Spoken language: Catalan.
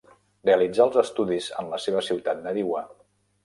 Realitzà els estudis en la seva ciutat nadiua.